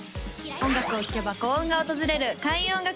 音楽を聴けば幸運が訪れる開運音楽堂